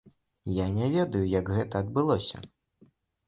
Я не ведаю, як гэта адбылося.